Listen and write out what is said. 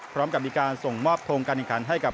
พร้อมกับมีการส่งมอบโทงการิการให้กับ